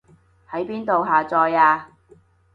喺邊度下載啊